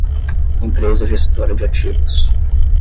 Empresa Gestora de Ativos